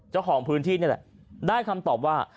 เจ้าของพื้นที่นี่แหละได้คำตอบว่า